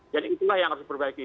jadi itulah yang harus diperbaiki